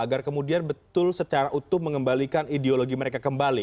agar kemudian betul secara utuh mengembalikan ideologi